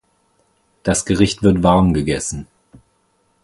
Das Gericht wird warm gegessen.